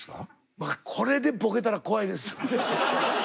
まあこれでボケたら怖いですよね。